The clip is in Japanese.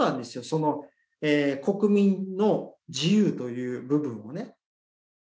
その国民の自由という部分をね。